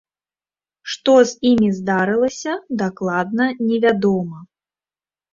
Што з ім здарылася, дакладна невядома.